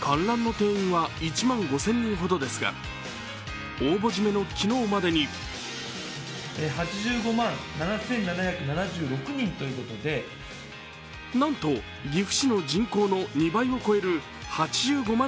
観覧の定員は１万５０００人ほどですが応募締めの昨日までになんと岐阜市の人口の２倍を超える８５万